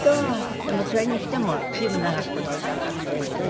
でもそれにしても随分長くこの歌歌っているもんね。